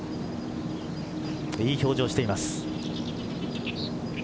いい表情をしています。